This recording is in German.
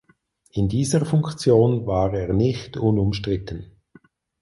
In dieser Funktion war er nicht unumstritten.